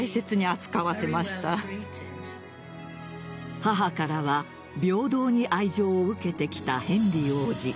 母からは平等に愛情を受けてきたヘンリー王子。